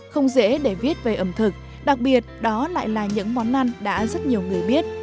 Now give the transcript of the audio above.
không dễ để viết về ẩm thực đặc biệt đó lại là những món ăn đã rất nhiều người biết